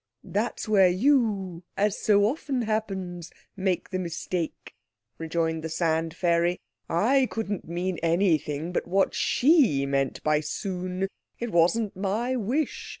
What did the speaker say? "That's where you, as so often happens, make the mistake," rejoined the Sand fairy. "I couldn't mean anything but what she meant by 'soon'. It wasn't my wish.